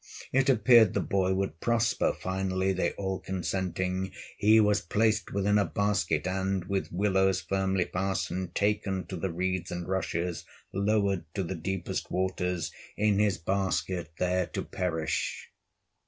It appeared the boy would prosper; Finally, they all consenting, He was placed within a basket, And with willows firmly fastened, Taken to the reeds and rushes, Lowered to the deepest waters, In his basket there to perish.